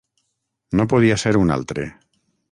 No podia ser un altre.